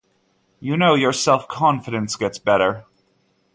You know, your self-confidence gets better.